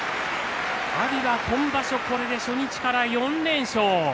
阿炎が今場所これで初日から４連勝。